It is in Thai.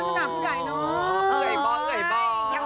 วัฒนาผู้ไดรน้อง